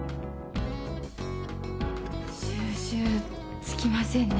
収拾つきませんね。